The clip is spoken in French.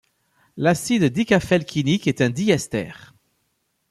L'acide dicaféylquinique est un diester.